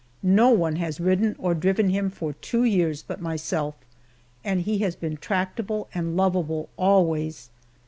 No one has ridden or driven him for two years but myself, and he has been tractable and lovable always.